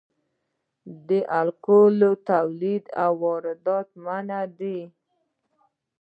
د الکول تولید او واردول منع دي